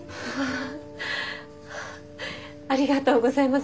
ありがとうございます。